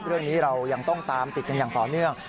เรื่องนี้เรายังต้องตามติดกันอย่างต่อเนื่อง